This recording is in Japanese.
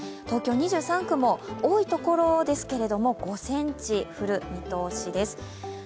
東京２３区も多いところですけれども５ｃｍ降る見通しです。